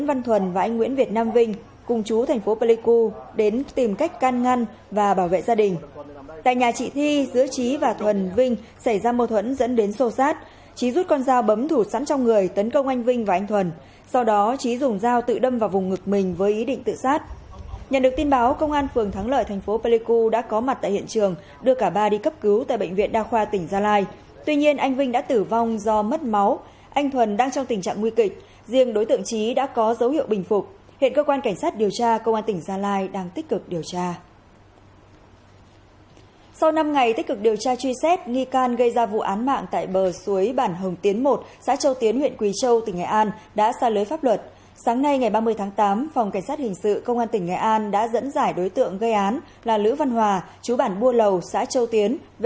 phòng cảnh sát hình sự công an tỉnh nghệ an đã dẫn giải đối tượng gây án là lữ văn hòa chú bản bua lầu xã châu tiến về thành phố vinh để điều tra làm rõ hành vi giết người